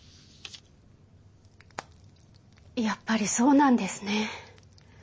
やっぱりそうなんですね。